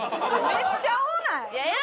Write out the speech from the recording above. めっちゃ多ない？